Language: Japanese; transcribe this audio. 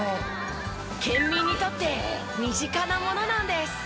県民にとって身近なものなんです。